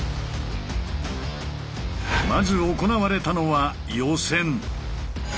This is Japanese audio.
まず行われたのは予選。